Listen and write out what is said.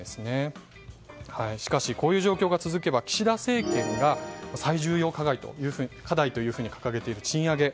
しかし、こういう状況が続けば岸田政権が最重要課題というふうに掲げている賃上げ